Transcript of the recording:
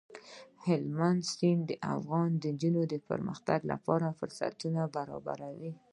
هلمند سیند د افغان نجونو د پرمختګ لپاره فرصتونه برابروي.